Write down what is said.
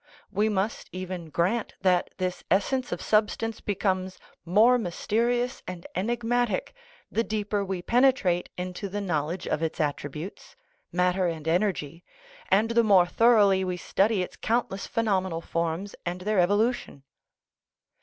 We must even grant that this essence of substance be comes more mysterious and enigmatic the deeper we penetrate into the knowledge of its attributes, matter and energy, and the more thoroughly we study its countless phenomenal forms and their evolution.